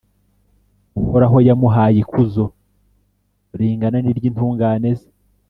Uhoraho yamuhaye ikuzo ringana n’iry’intungane ze,